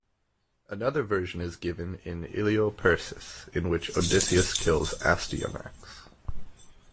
Another version is given in "Iliou persis", in which Odysseus kills Astyanax.